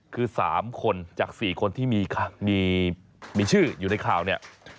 คือ๓คนจาก๔คนที่มีชื่ออยู่ในข่าวเนี่ย